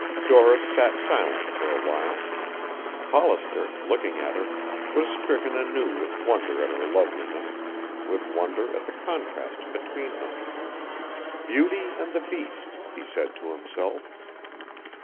Doris sat silent for awhile. Hollister, looking at her, was stricken anew with wonder at her loveliness, with wonder at the contrast between them. Beauty and the beast, he said to himself.